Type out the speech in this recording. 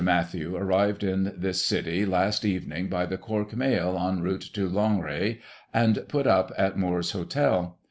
Mathew arrived in this city, last evening, by the Cork mail, en route to Loughrea, and put up at Moore's hotel.